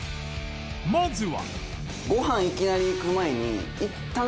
まずは